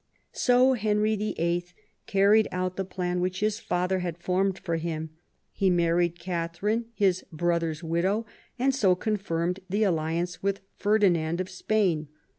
So Henry VEIL carried out the plan which his father had formed for him. He married Katharine, his brother's widow, and so confirmed the alliance with Ferdinand of Spain.